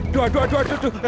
dua dua dua